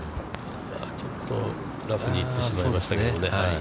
ちょっとラフに行ってしまいましたけどもね。